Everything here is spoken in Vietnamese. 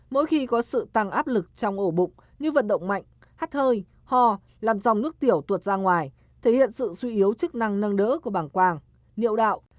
mỗi khi có sự tăng áp lực trong ổ bụng như vận động mạnh hắt hơi ho làm dòng nước tiểu tuột ra ngoài thể hiện sự suy yếu chức năng nâng đỡ của bàng quang niệu đạo